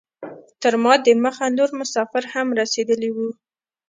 تر ما دمخه نور مسافر هم رسیدلي وو.